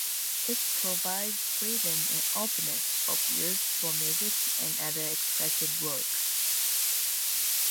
It provides freedom and openness of use for music and other expressive works.